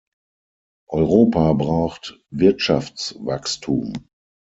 Europa braucht Wirtschaftswachstum.